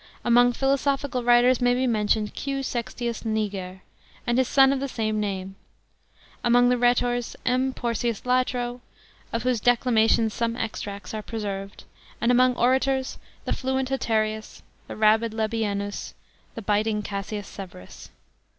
Among philosophical writers may be mentioned Q Sextius Niger, and his son of the same name; among the rhetors M. Porcius Latro, of whose declamations some extracts are preserved; and among orators, the fluent Haterius, the rabid Labienus,t the biting Cassius Severus.